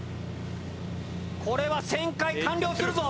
これは旋回完了するぞ。